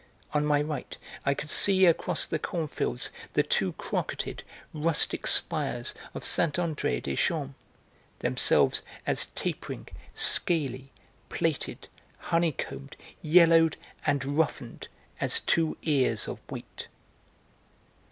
On my right I could see across the cornfields the two crocketed, rustic spires of Saint André des Champs, themselves as tapering, scaly, plated, honeycombed, yellowed, and roughened as two ears of wheat.